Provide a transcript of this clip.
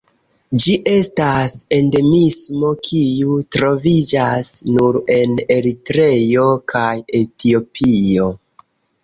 Ĝi estas endemismo kiu troviĝas nur en Eritreo kaj Etiopio.